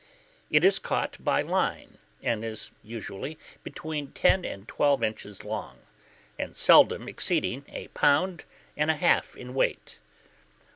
It is caught by line, and is usually between ten and twelve inches long, and seldom exceeding a pound and a half in weight.